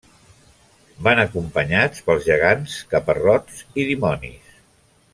Van acompanyats pels gegants, caparrots i dimonis.